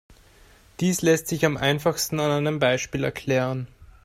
Dies lässt sich am einfachsten an einem Beispiel erklären.